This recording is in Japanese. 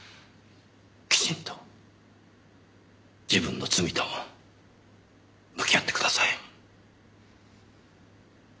きちんと自分の罪と向き合ってください。